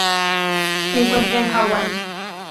Se encuentra en Hawaii.